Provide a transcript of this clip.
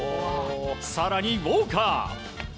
更にウォーカー。